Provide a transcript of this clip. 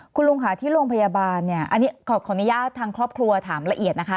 คุณลุงค่ะที่โรงพยาบาลเนี่ยอันนี้ขออนุญาตทางครอบครัวถามละเอียดนะคะ